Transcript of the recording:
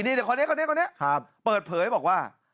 นี่เดี๋ยวขอเนี้ยเปิดเผยบอกว่า